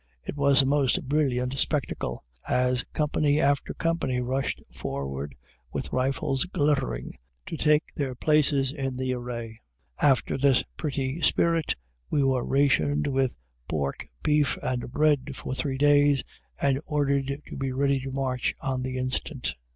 It was a most brilliant spectacle, as company after company rushed forward, with rifles glittering, to take their places in the array. After this pretty spirt, we were rationed with pork, beef, and bread for three days, and ordered to be ready to march on the instant.